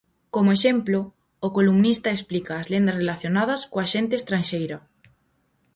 Como exemplo, o columnista explica as lendas relacionadas coa xente estranxeira.